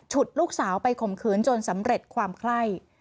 ฉุดลูกสาวไปข่มขืนจนสำเร็จความใคร่